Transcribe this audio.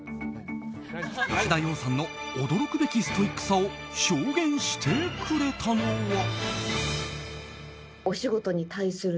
吉田羊さんの驚くべきストイックさを証言してくれたのは。